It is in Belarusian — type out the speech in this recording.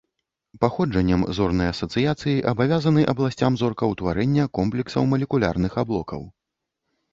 Паходжаннем зорныя асацыяцыі абавязаны абласцям зоркаўтварэння комплексаў малекулярных аблокаў.